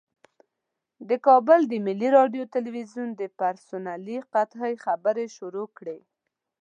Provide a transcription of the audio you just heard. د کابل د ملي راډیو تلویزیون د پرسونلي قحطۍ خبرې شروع کړې.